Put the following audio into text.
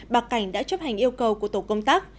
bà cảnh đã chấp hành yêu cầu của tổ công tác